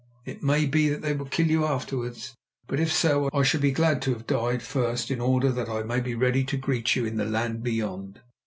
It may be that they will kill you afterwards, but if so, I shall be glad to have died first in order that I may be ready to greet you in the land beyond.